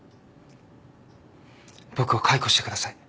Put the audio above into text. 僕を解雇してください。